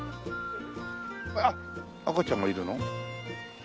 あっ赤ちゃんがいるの？